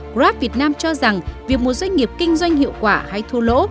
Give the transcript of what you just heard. grab việt nam cho rằng việc một doanh nghiệp kinh doanh hiệu quả hay thua lỗ